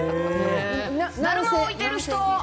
だるまを置いてる人？